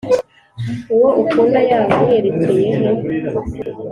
Uwo ukunda yaba yerekeye he,